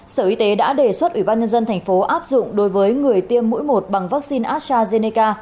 sở y tế đã đề xuất ủy ban nhân dân thành phố áp dụng đối với người tiêm mũi một bằng vaccine astrazeneca